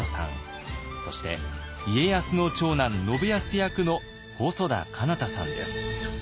そして家康の長男信康役の細田佳央太さんです